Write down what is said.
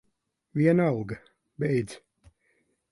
Vienalga. Beidz.